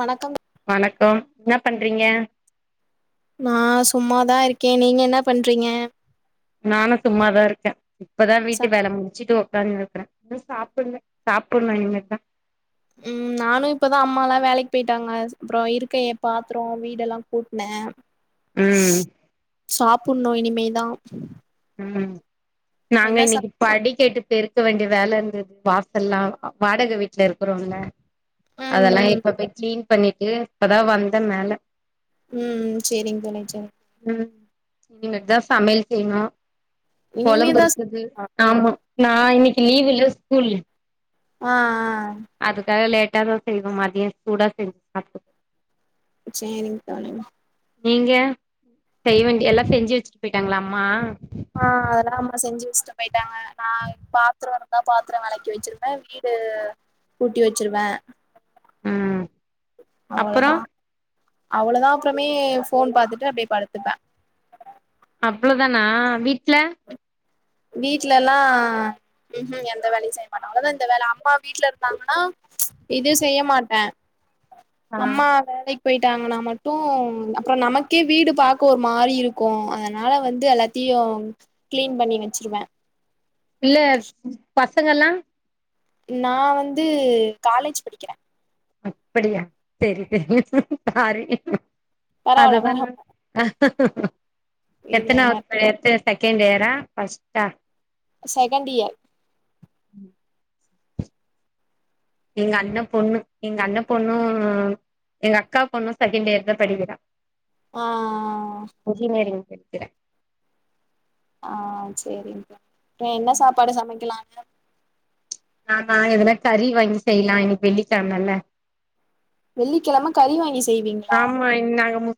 வணக்கம் வணக்கம் ன்னா பண்றீங்க? நா சும்மாதா இருக்கே நீங்க என்ன பண்றீங்க? நானு சும்மாதா இருக்கே இப்பதா ச வீட்டு வேல முடிச்சுட்டு உக் காந்துருக்குறே இன்னு சாப்புல்ல சாப்டன்னு இனிமேதா ம் நானு இப்பதான அம்மாலா வேலைக்கு போயிட்டாங்க அப்றோ இருக்க எ பாத்ரோ வீடெல்லா கூட்னே ம் சாப்புட்ணு இனிமேதா ம் நாங்க என்ன சாப் இன்னைக்கி படிகேட்டு பெருக்க வேண்டிய வேல இருந்தது ப ல்லா வாடக வீட்ல இருக்றோல்ல ம் அதெல்லா ம் இப்ப போய் க்ளீன் ண்ணிட்டு இப்பதா வந்தே மேல ம் சேரிங் [unintelligible] ம் இனிமேட்தா சமைல் செய்ணு கொழம்பு இனிமேதா இருக்குது ஆ ஆமா நா இன்னைக்கி லீவ் இல்ல ஸ்கூல் அ அ அதுக்காக லேட்டாதா செய்வோ மதிய சூடா செஞ்சு சாப்ட்டுக்குவோ சேரிங்க [unintelligible] நீங்க செய்ய வேண்டிய எல்லா செஞ்சு வச்சுட்டு போய்ட்டாங்ளா அம்மா ஆ அதெல்லா அம்மா செஞ்சு வச்சுட்டு போய்ட்டாங்க நா பாத்துற வெலக் பாத்ர வெளக்கி வச்சிருவே வீடு கூட்டி வச்சிருவே ம் அப்புறோ அவ்வளதா அவ்வளதா அப்றமே ஃபோன் பாத்துட்டு அப்டியே படுத்துப்பே அவ்ளோதானா வீட்ல வீட்லலா ம்ஹூம் எந்த வேலயு செய்ய மாட்டோ அவங்கதா இந்த வேல அம்மா வீட்ல இருந்தாங்கனா இது செய்ய மாட்டே ஆ அம்மா வேலக் போயிட்டாங்கனா மட்டு அப்ற நமக்கே வீடு பாக்க ஒரு மாரி இருக்கு அதனால வந்து எல்லாத்தி ம் க்ளீன் பண்ணி வச்சுருவே இல்ல பசங்கல்லா நா வந்து காலேஜ் படிக்கிறே அப்படியா செரி செரி சாரி பரவால்ல அதுதா பரவா அ இதுல என்ன எத்தனாவது படி செகண்ட் இயரா ஃபர்ஸ்ட்டா செகண்ட் இயர் ம் எங்க அண்ண பொண்ணு எங்க அண்ண பொண்ணு எங்க அக்கா பொண்ணு செகண்ட் இயர் தா படிக்கிறா ஆ எட்டர ஆ சேரிங்கா இப்ப என்ன சாப்பாடு சமைக்கலாங்க நா எதுனா கறி வாங்கி செய்லா இன்னைக்கு வெள்ளிக்கெழமல்ல வெள்ளிக்கெழமை கறி வாங்கி செய்வீங்களா ம்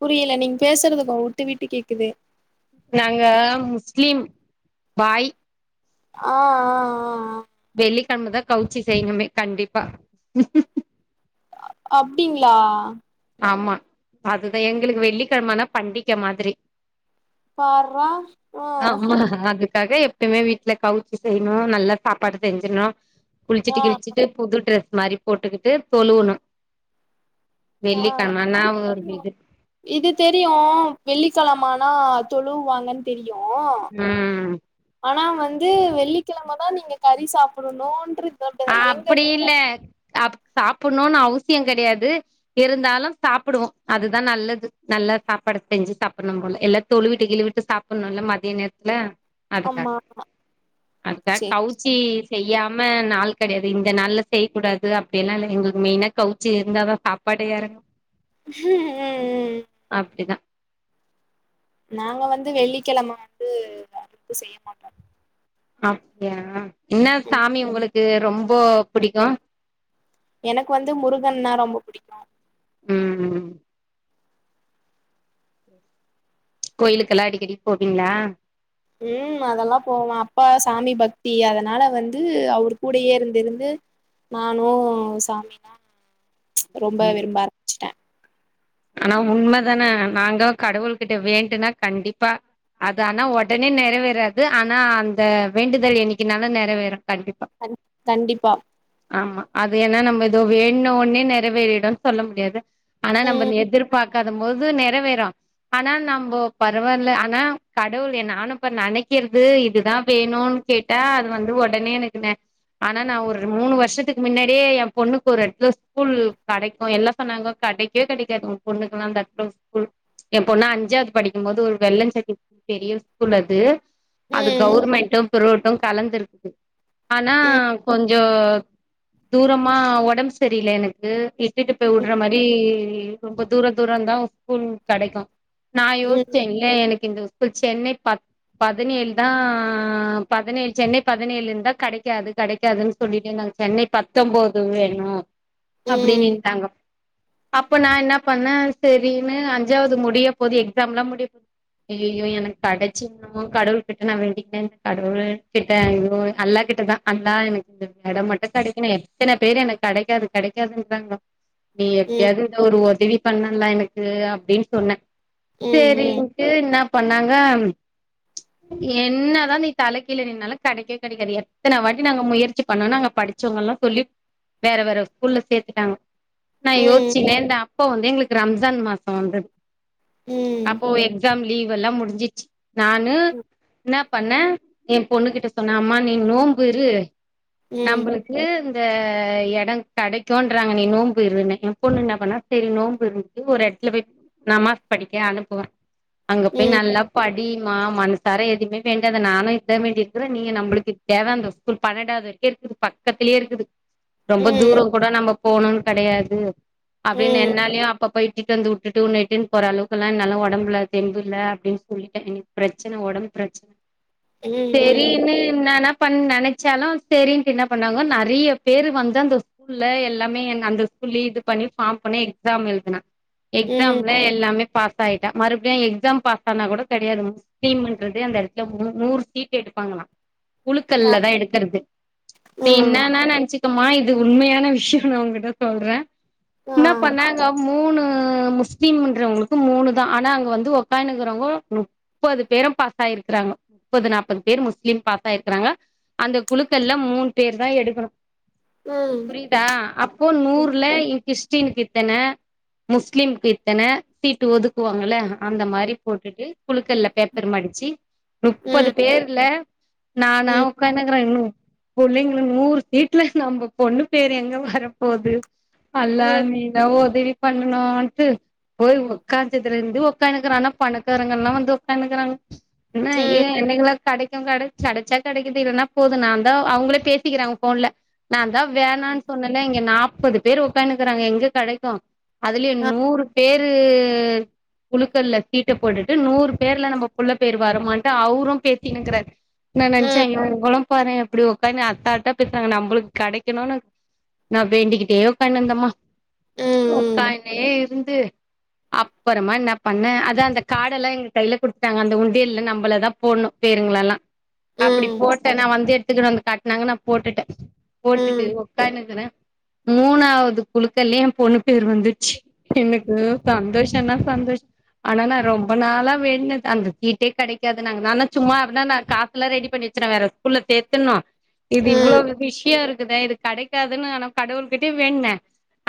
புரியல நீங பேசுறது உட்டு விட்டு கேக்குது நாங்க முஸ்லிம் பாய் ஆ ஆ ஆ வெள்ளகெழமதா கவுச்சி செய்யணுமே கண்டிப்பா அப்டிங்ளா ஆமா அதுதா எங்களுக்கு வெள்ளிக்கெழம ஆனா பண்டிக மாதிரி பார்றா ஆ ஆமா அதுக்காக எ எப்பவுமே வீட்டுல கவுச்சி செய்யணும் நல்லா சாப்பாடு செஞ்சுர்னு குளிச்சிட்டு ஆ கிளிச்சிட்டு புது ட்ரெஸ் மாறி போட்டுக்கிட்டு தொழுணு ஆ இது தெரியு இது தெரியு வெள்ளிக்கெழம ஆ தொழுவாங்கன் தெரியு ம் ஆனா வந்து வெள்ளிக்கிழம தா நீங்க கறி சாப்புடனோன்று அப்புடி இல்ல ஆப் சாப்புட்னுன்னு அவுஸ் சியம் கெடையாது இருந்தாலும் சாப்டுவோ அதுதா நல்லது நல்லா சாப்பாடு செஞ்சு சாப்பனும் நொல்ல எல்லா தொழுவிட்டு கிழி வுட்டு சாப்பணுல்ல மதிய நேரத்துல அதுக்காக ஆமா அதுக்கா சேரி கவுச்சி செய்யாம நாள் கெடையாது இந்த நாள்ல செய்யக்கூடாது அப்டியெல்லாம் இல்ல எங்களுக்கு மெயினா கவுச்சி இருந்தாதா சாப்பாடே எறங்கும் ம் ம் அப்டிதா நாங்க வந்து வெள்ளிக்கிழம வந்து அறுப்பு செய்ய மாட்டோ அப்டியா என்னா ம் சாமி ஒங்களுக்கு ரொம்போ புடிக்கும் எனக்கு வந்து முருகன்னா ரொம்போ புடிக்கும் ம் கோயிலுக்கெல்லா அடிக்கடி போவீங்ளா ம் அதெல்லாம் போவன் அப்பா சாமி பக்தி அதனால வந்து அவரு கூடயே இருந்திருந்து நானும் சாமிலாம் ரொம்ப ம் விரும்ப ஆரம்பிச்சுட்டேன் ஆனா உண்மதான நாங்கோ கடவுள் கிட்ட வேண்டுனா கண்டிப்பா அது ஆனா ஒடனே நிறைவேறாது ஆனா அந்த வேண்டுதல் என்னைக்குன்னாலும் நெறைவேறும் கண்டிப் கண் கண்டிப்பா ஆமா அது ஏன்னா நம்ம ஏதோ வேண்ட்னோன்னே ஒடனே நிறைவேறிடுன் சொல்ல முடியாது ஆனா நம்ம ம் நேத் பாக்காத போது நறைவேறும் ஆனா நம்போ பரவால்ல ஆனா கடவுளு நானும் இப்ப நெனைக்கிறது இதுதான் வேணுன் னு கேட்டா அது வந்து ஒடனே எனக்கு நெ ஆனா நான் ஒரு மூணு வருஷத்துக்கு முன்னாடியே என் பொண்ணுக்கு ஒரு எட்த்துல ஸ்கூல் கெடைக்கும் எல்லா சொன்னாங்கோ கெடைக்கே கெடைக்காத் உன் பொண்ணுக்கெல்லாம் அந்த எட்த்துல ஸ்கூல் என் பொண்ணா அஞ்சாவது படிக்கும்போது ஒரு வெள்ளம் செட்டி பெரிய ஸ்கூல் அது அது ம் கவுவர்மெண்ட்டும் பிரோவோட்டும் கலந்துருக்கு ஆனா ம் கொஞ்சோ தூரமா ஒடம்பு சரியல எனக்கு இ ட்டுட்டு போய் வுடுற ம் மாரி ரொம்ப தூர தூரந்தான் ஸ்கூல் கெடைக்கும் நா யோசிச்சே ம் இல்ல எனக்கு இந்த ஸ்கூல் சென்னை ப பதினேழு தா பதினேழு சென்னை பதினேழு இருந்தா கெடைக்காது கெடைக்காதுன்னு சொல்லிட்டேந் சென்னை பத்தொன்பது வேணும் அப்டின்னு ம் இந்தாங்கோ அப்ப நான் என்னாப் பண்ண செரின்னு அஞ்சாவது முடிய போகுது எக்ஸாம் எல்லா முடியப் போது ஐயய்யோ எனக்கு கடைச்சுன்னோ கடவுள் கிட்ட நா வேண்டிக்னே இந்த கடவுள் கிட்ட ஐயோ அல்லாக் கிட்டதா அல்லா எனக்கு இந்த இடம் மட்டும் கிடைக்கணும் எத்தனை பேரு எனக்கு கெடைக்காது கெடைக்காதுன்ராங்கோ நீ ம் எப்டியாவது இந்த ஒரு உதவி பண் அல்லா எனக்கு அப்டின்னு சொன்ன ம் ம் சேரின்ட்டு என்னா பண்ணாங்க என்னதா நீ தலை கீழா நின்னாலும் கெடைக்கவே கெடைக்காது எத்தன வாட்டி நாங்க முயற்சி பண்ணோ நாங்க படிக் படிசோங்கெல்லாம் சொல்லி வேற வேற ஸ்கூல்ல சேத்துட்டாங்க ம் நான் ம் யோசிச்சே ஏன்டா அப்ப வந்து எங்களுக்கு ரம்ஜான் மாசொ வந்துது ம் அப்போ எக்ஸாம் லீவ் எல்லா முடிஞ்சிச்சு நானு என்ன பண்ண என் பொண்ணு கிட்ட சொன்ன அம்மா நீ நோம்பு இரு ம் நம்பளுக்கு இந்த அ எடம் கெடைக்குன்றாங்க நீ நோம்பு இருன்னே என் பொண்ணு இன்னா பண்ணா செரி நோம்பு இருந்து ஒரு இடத்துல போய் நமாஸ் படிக்க அனுப்புவே அங்க போய் நல்லா படி ரிமா மனசார எதுவுமே வேண்டாத நானும் இதா வேண்டிருக்குரே நீயும் நம்மளுக்கு தேவ அந்த ஸ்கூல் பன்னென்டாவது வரை இருக்குது பக்கத்துலயே இருக்குது ரொம்ப தூரம் கூட நம்ம போணும்னு கெடையாது அப்டின்னு ம் என்னாலயு அப்பப்ப இ ட்டுடந்து உட்டுட்டு ஒன்ன இட்டுன்னு போற அளவுக்கெல்லா என்னாலா ஒடம்புல தெம்புல்ல அப்டின்னு சொல்லிட்டே எனக்கு பிரச்சன ஒடம்பு பிரச்சன ம் செரின்னு இன்னானா பண் நெனச்சாலும் செரின்ட்டு என்ன பண்ணாங்க நெறைய பேரு வந்து அந்த ஸ்கூல்ல எல்லாமே அந்த புள்ளி இது பண்ணி ஃபார்ம் பண்ண எக்ஸாம் எழுதுன ம் எக்ஸாம்ல எல்லாமே பாஸ் ஆயிட்டா மறுபடியும் எக்ஸாம் பாஸ் ஆன கூட கெடயாது முஸ்லீம்ன்றதே அந்த எடத்துல மு நூறு சீட் எடு ப்பாங்ளா ஆ, குழுக்கல்ல தா எடுக்கறது நீ ம் என்னனா நெனச்சி மொத்தமா இது உண்மையான விஷ்யோ நா உங்கிட்ட சொல்ற ஆ என்ன பண்ணாங்க மூணு ஆ முஸ்லிம் என்றவங்களுக்கு மூணுதா ஆனா அங்க வந்து ஒக்கானுக்கிறவங்கோ முப்பது பேரு பாஸ் ஆயிருக்கிறா ங்கோ முப்பது நாப்பது பேரு முஸ்லிம் பாஸ் ஆயிருக்குறாங்க அந்த குழுக்கள்ல மூணு பேர்தா எடுக்கணு ம் புரியுதா அப்போ ம் நூறுல இ கிறிஸ்டினுக்கு இத்தன முஸ்லிம்க்கு இத்தன சீட்டு ஒதுக்குவாங்கல்ல அந்த மாரி போட்டுட்டு குழுக்கள்ல பேப்பர் மடிச்சி முப்பது ம் பேர்ல நானா ம் உக்காணுக்குற இன்னு புள்ளைங்களு நூறு சீட்ல நம்ப பொண்ணு பேர் எங்க வரப்போது ம் எதாவோ ஒதவி பண்ணோனுட்டு போய் உக்காச்சுதுலேருந்து உக்கானுக்கிற ஆனா பணக்காரங்கள்லா வந்து உக்கானுக்கிறாங்க என்ன ஏ எனக்குலா கடைக்கு கட கடச்சா கடைக்குது இல்லன்னா போது நான்தா அவுங்களே பேசிக்கிறாங்க ஃபோன்ல நான்தா வேணானு சொன்னல்ல இங்க நாப்பது பேரு உக்கானுக்கிறாங்க எங்க கெடைக்கு அதுலியு அ நூறு பேரு குழுக்கள்ல சீட்ட போட்டுட்டு நூறு பேர்ல நம்ப புள்ள பேர் வருமான்ட்டு அவரு பேசினுக்கிறாரு நா நெனச்ச ம் ஐயோ இவங்கள்லா பார எப்டி உக்காந்துனு அசால்ட்டா பேசுறாங்க நம்பளுக்கு கெடைக்கணுன்னு நா வேண்டிக்கிட்டே உக்கானுருந்தம்மா ம் ம் உக்கான்னே இருந்து அப்பறமா என்ன பண்ண அதூ அந்த கார்டெல்லா எங்க கையில குடுத்துட்டாங்க அந்த உண்டியல்ல நம்பளதா போட்ணு பேர் எங்களெல்லா அப்டி ம் போட்ட நா வந்து எடுத்துக்கிட்டு வந்து காட்னாங்க நா போட்டுட்ட ம் போட்டுட்டு ம் உக்கானுக்கிற மூணாவது குழுக்கள்லியு ஏ பொண்ணு பேரு வந்துச்சு எனக்கு சந்தோஷனா சந்தோஷ ஆனா நா ரொம்ப நாளா வேண்டுனது அந்த சீட்டே கெடைக்காதுனுங்க நான்தா சும்மா இருந்தா நா காசுல்லா ரெடி பண்ணி ச்ச நா வேற ஸ்கூல்ல சேத்துணு இது இவ்ளோ விஷ்யோ இருக்குதே இது கெடைக்காதுன்னு நா கடவுள்கிட்டையு வேண்டுன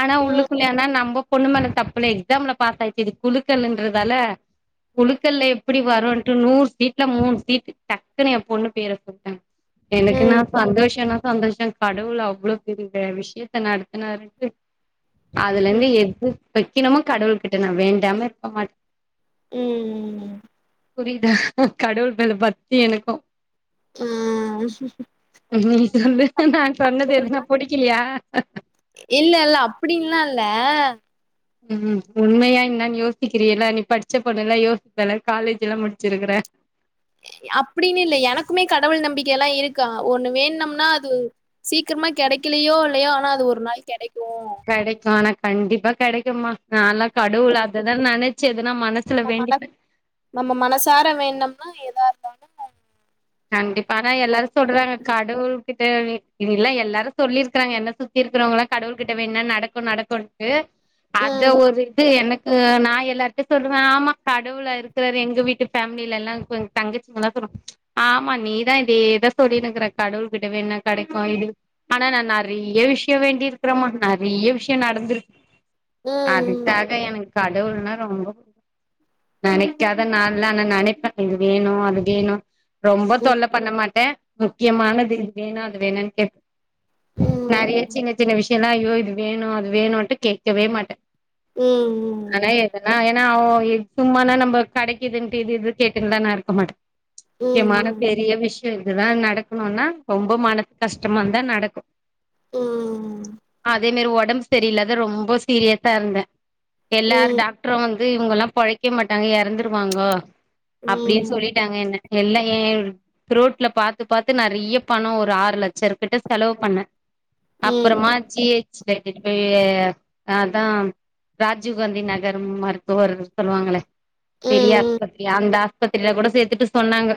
ஆனா உள்ளுக்குள்ள ஆனா நம்ப பொண்ணு மேல தப்பு இல்ல எக்ஸாம்ல பாஸ் ஆயிச்சு இது குழுக்களுன்றதால குழுக்கள்ல எப்டி வருன்ட்டு நூறு சீட்ல மூணு சீட் டக் குனு ஏ பொண்ணு பேர சொல்ட்டாங்க ம் எனக்குன்னா ம் சந்தோஷோன்னா சந்தோஷோ கடவுள அவ்ளோ பெரிய விஷயத்த நடத்துனாருன்ட்டு ம் அதுலேருந்து எது வெக்கினுமோ கடவுளுக்கிட்ட நா வேண்டாம இருக்க மாட் ம் ம் ம் புரியுதா கடவுள் மேல பத்தி எனக்கு ஆ நீ சொல்லு நா சொன்னது என்ன புடிக்கலையா இல்லல்ல அப்டின்லா இல்ல ம் உண்மையா என்னானு யோசிக்கிறீல்ல நீ படிச்ச பொண்ணுல்ல யோசிப்பல்ல காலேஜுல்லா முடிச்சிருக்குற அப்டினு இல்ல எனக்குமே கடவுள் நம்பிக்க எல்லா இருக்கா ஒண்ணு வேண்ட்னோம்னா அது சீக்கி ரமா கெடைக்கலையோ இல்லையோ ஆனா அது ஒரு நாள் கெடைக் கெடைக்கும் ஆனா கண்டிப்பா கெடைக்கும்மா நான்லா கடவுள் அததா நெனச் நம்ம மனசு நம்ம மனசார வேண்ட்னோம்னா எதா இருந்தாலு [inaudible] கண்டிப்பா ஆனா எல்லாரு சொல்றாங்க கடவுள் கிட்ட வி இல்ல எல்லாரு சொல்லிருக்குறாங்க என்ன சுத்தி இருக்கிறவங்க எல்லா கடவுள்கிட்ட வேண்டுனா நடக்கு நடக்குன்ட்டு அத ம் ஒரு இது எனக் கு நா எல்லாருட்டையு சொல்லுவ ஆமா கடவுளா இருக்குறாரு எங்க வீட்டு ஃபேமிலல்லா கொஞ் தங்கச்சிங்கெல்லா சொல்லு ஆமா நீதா இதேதா சொல்லினுக்கிற கடவுள்கிட்ட வேண்டுனா கெடைக்கு இது ஆனா நா நெறைய விஷ்யோ வேண்டிருக்கிறேம்மா நெறைய விஷ்யோ நடந்துருக் ம் அதுக்காக எனக்கு கடவுள்னா ரொம்போ புடிக்கு நெனைக்காத நாள் இல்ல ஆனா நெனைப்ப இது வேணு அது வேணு ரொம்ப ம் தொல்ல பண்ண மாட்ட முக்கியமானது இது வேணு அது வேணுன்னு கேப் ம் நெறைய சின்ன சின்ன விஷயல்லா ஐயோ இது வேணு அது வேணுட்டு கேக்கவே மாட்ட ம் ம் ம் ஆ ஓ இ சும்மான்ன நம்ப கடைக்குதுன்ட்டு இது இது கேட்டின்லா நா இருக்க மாட்டே ம் முக்கியமான ம் பெரிய விஷயோ இதுதா நடக்கணுன்னா ரொம்ப மனது கஷ்டமாந்தா நடக்கு ம் அதே நேரோ ஒடம்பு சரியில்லாது ரொம்ப சீரியஸா இருந்தே எல்லாரு டாக்டரு வந்து இவுங்கல்லா பொழைக்க மாட்டாங்க எற் றந்துருவாங்கோ ம் அப்டின்னு ம் சொல்லிட்டாங்க என்ன எல்லா ஏ புரோட்ல பாத்து பாத்து நெறைய பணோ ஒரு ஆறு லட்சருக்கிட்ட செலவு பண்ணே ம் அப்புறமா ஜி ஹெச்க்கு எடுத்துட்டு போய் அதா ராஜீவ்காந்தி நகர் மருத்துவர் சொல்லுவாங்களே பெரிய ம் ம் ம் ஆஸ்பத்திரி அந்த ஆஸ்பத்திரில கூட சேத்துட்டு சொன்னாங்க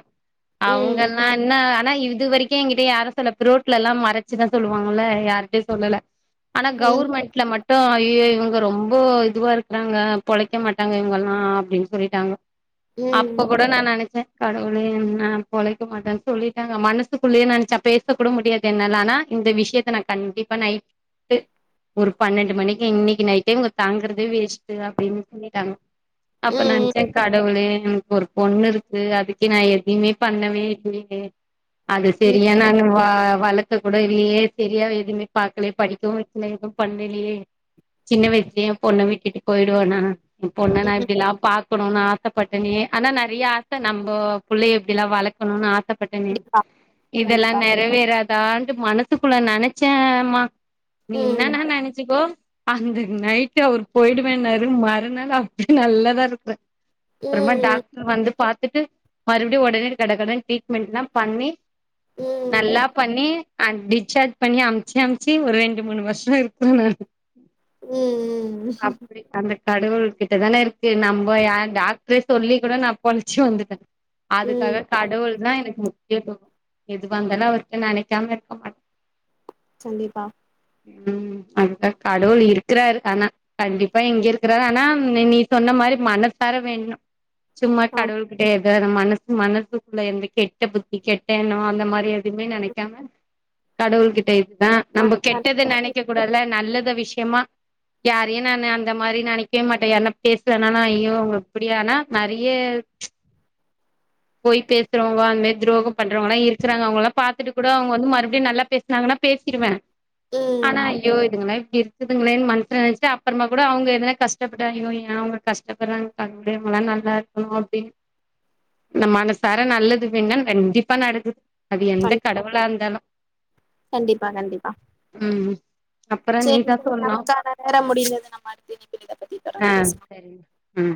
அவங்கல்லா என்ன ஆனா இது வரைக்கு எங்கிட்ட யாரு சொல்ல புரோட்லல்லா மறச்சிதா சொல்லுவாங்கல்ல யாருட்டயு சொல்லல ஆனா ம் ம் ம் கவுர்மெண்ட்ல மட் டு ஐயயோ இவங்க ரொம்ப இதுவா இருக்கிறாங்க பொழைக்க மாட்டாங்க இவங்கெல்லா அப்டின்னு சொல்லிட்டாங்க அப்ப கூட நா நனச்சே கடவுளே என்ன பொழைக்க மாட்டேன்னு சொல்லிட்டாங்க மனசுக்குள்ளயே நெனச்சே பேச கூட முடியாது என்னால ஆனா இந்த விஷயத்த நா கண்டிப்பா நைட்டு ஒரு பன்னெண்டு மணிக்கு இன்னிக்கி நைட்டே இவங்க தாங்கறதே வேஸ்ட்டு அப்டின்னு சொல்லிட்டாங்க ம் அப்ப ம் நனச்சே கடவுளே எனக்கு ஒரு பொண்ணு இருக் கு அதுக்கு நா எதுமே பண்ணவே இல்லையே அது ம் ம் சரியா நானு வா வளக் கக் கூட இல்லையே சரியா எதுவுமே பாக்கலயே படிக்கவு வைக்கல எதுவு பண்ணலயே சின்ன வயசுலயே எ பொண்ண விட்டுட்டு போயிடுவேனா எ பொண்ண நா எப்டில்லா பாக்கணுன்னு ஆசப்பட்டனே ஆனா நெறைய ஆ ச நம்போ புள்ளய எப்டிலா வளக்கணுன்னு ஆசப்பட்டனே கண்டிப்பா இதெல்லா கண்டிப்பா நெறைவேறா தான்ட்டு மனசுக்குள்ள நெனச்சேம்மா நீ ம் இன்னான்னா நெனசிக்கோ அந்த நைட்டு் அவர் போயிடுவேனாரு மறுநாள் அப்டி நல்லாதா இருக்குறே அப்புறமா ம் டாக்டர் வந்து பாத் துட்டு மறுபடியு ஒடனே கட கடன்னு ட்ரீட்மெண்ட்லா பண்ணி ம் நல்லா பண்ணி ஆ டிஸ்சார்ஜ் பண்ணி அமிச்சி அமிச்சி ஒரு ரெண்டு மூணு வருஷோ இருக்கு நா ம் ம் அந்த கடவுள் கிட்டதான இருக்கு நம்பொ யா டாக்டரே சொல்லி கூட நா பொழச்சி வந்துட்டே ம் அதுக்காக கடவுள் தா எனக்கு மு கேப்போ எது வந்தாலு அவர்ட்ட நெனைக்காம இருக்க மாட்டே சந்திப்பா ம் அதுதா கடவுள் இருக்கிறாரு ஆனா கண்டிப்பா எங்க இருக்கறாரு ஆனா நீ சொன்ன மாரி மன சார வேண்ட்னு சும்மா ஆமா கடவுள் கிட்ட எதோ இது மனசு மனசுக்குள்ள எந்த கெட்ட புத்தி கெட்ட எண்ணோ அந்த மாரி எதுவுமே நெனைக்காம கடவுள் கிட்ட இதுதா நம்ப கெட்டத நெனைக்க ம் கூடாதுல்ல நல்ல ல விஷயமா யாரையு நானு அந்த மாரி நனைக்கவே மாட்டே யார்ன்னா பேசலனா நா ஐயோ அவங்க இப்படியானா நெறைய பொய் பேசுறவங்க அந்த மா துரோக பண்றவங்கல்லா இருக்குறாங்க அவங்களல்லா பாத்துட்டு கூட அவுங்கவந்து மறுபடியு நல்லா பேசுனாங்கன்னா பேச் சிருவே ஆனா ஐயோ இதுங்கள்லா இப் டி இருக்குதுங்களேன்னு மனசுல நெனச்சிட்டு அப்பறமா கூட அவங்க எதனா கஷ்டப்பட்டா ஐயோ ஏ அவங்க கஷ்டப்படுறாங்கன்டு அப்டியே ம எல்லா நல்லா இருக்கணு அப்டின் நா மனசார நல்லது வேண்டுனா கண்டிப்பா நடக்கு அது எந்த கண்டி கடவுளா இருந்தாலு கண்டிப்பா கண்டிப்பா ம் அப்புறோ செரிங்க நீதா தோழி சொல்ணு நமக்கான நேர முடிந்தது நம்ம அடுத்த இணைப்பில் இத பத்தி ஆ தொடர்ந்து பேச்லா சரிங்க ம்